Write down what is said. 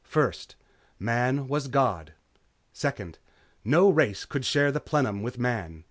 First, Man was God. Second, no race could share the plenum with Man.